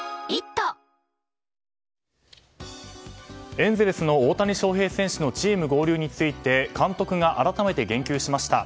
エンゼルスの大谷翔平選手のチーム合流について監督が改めて言及しました。